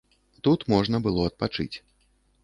Тут можна было адпачыць.